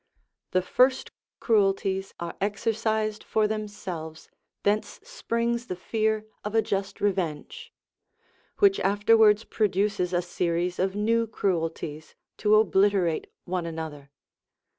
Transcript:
] The first cruelties are exercised for themselves thence springs the fear of a just revenge, which afterwards produces a series of new cruelties, to obliterate one another.